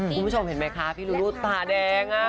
คุณผู้ชมเห็นไหมคะพี่ลูรุดตาแดง